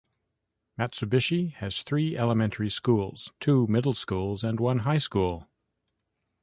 Matsubushi has three elementary schools, two middle schools and one high school.